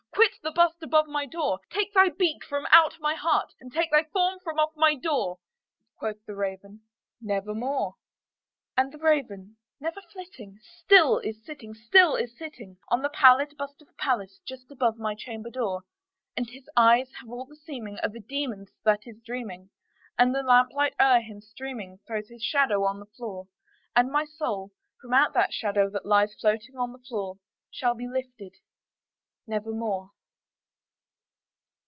quit the bust above my door! Take thy beak from out my heart, and take thy form from off my door!" Quoth the Raven, "Nevermore." And the Raven, never flitting, still is sitting, still is sitting On the pallid bust of Pallas just above my chamber door; And his eyes have all the seeming of a demon's that is dreaming, And the lamplight o'er him streaming throws his shadow on the floor; And my soul from out that shadow that lies floating on the floor Shall be lifted, nevermore!